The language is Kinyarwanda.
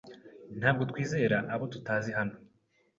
Ntabwo twizera abo tutazi hano.